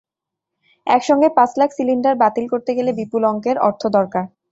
একসঙ্গে পাঁচ লাখ সিলিন্ডার বাতিল করতে গেলে বিপুল অঙ্কের অর্থ দরকার।